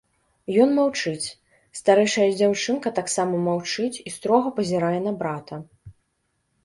Ён маўчыць, старэйшая дзяўчынка таксама маўчыць і строга пазірае на брата.